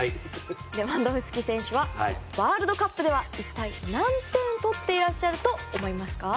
レバンドフスキ選手はワールドカップでは一体何点取っていらっしゃると思いますか？